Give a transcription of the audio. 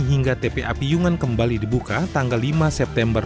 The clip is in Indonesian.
hingga tpa piyungan kembali dibuka tanggal lima september dua ribu dua puluh tiga